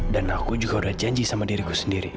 dan aku juga udah janji sama diriku sendiri